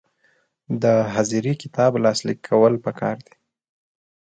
د حاضري کتاب لاسلیک کول پکار دي